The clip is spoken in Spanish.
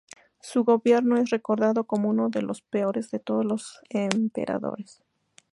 Su gobierno es recordado como uno de los peores de todos los emperadores.